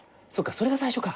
それが最初か。